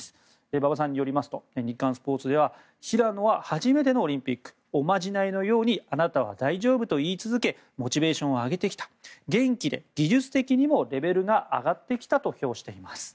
馬場さんによりますと日刊スポーツでは平野は初めてのオリンピックおまじないのようにあなたは大丈夫と言い続けモチベーションを上げてきた元気で技術的にもレベルが上がってきたと評しています。